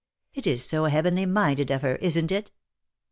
It is so heavenly minded of her, isn't it